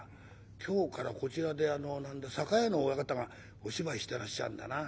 今日からこちらで栄屋の親方がお芝居してらっしゃるんだな。